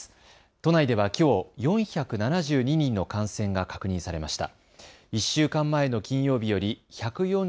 都内ではきょう４７２人の感染が確認されました。